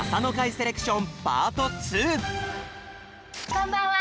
こんばんは。